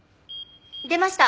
出ました。